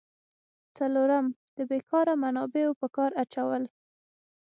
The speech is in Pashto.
څلورم: د بیکاره منابعو په کار اچول.